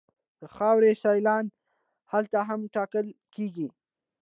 د خاورې سیلان حالت هم ټاکل کیږي